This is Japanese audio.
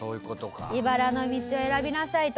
茨の道を選びなさいと。